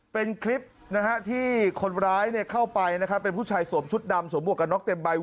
เป็นคลิปที่คนร้ายเข้าไปเป็นผู้ชายสวมชุดดำสวมบวกกับน็อคเต็มใบ